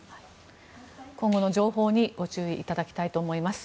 今後の情報にご注意いただきたいと思います。